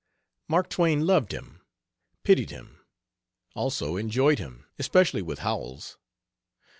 Mark Twain loved him, pitied him also enjoyed him, especially with Howells.